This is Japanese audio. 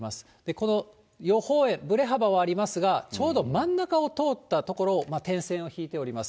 この予報円、ぶれ幅はありますが、ちょうど真ん中を通ったところを点線を引いております。